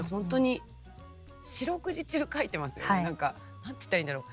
何て言ったらいいんだろう。